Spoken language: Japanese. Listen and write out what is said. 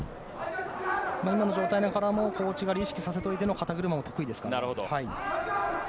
今の状態から小内刈りを意識させておいての肩車も得意ですからね。